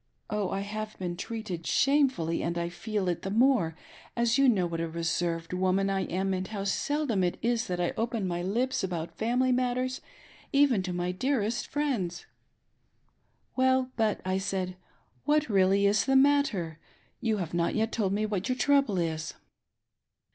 Oh ! I have been treated shamefully, and I feel it the more as you know what a reserved woman I am and how seldom it is that I open my lip^ about family matters, even to my dearest friends !"," Well, but," I said, " what really is the matter > You have not yet told me what your trouble is."